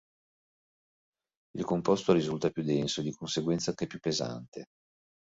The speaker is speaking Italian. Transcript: Il composto risulta più denso, e di conseguenza anche più pesante.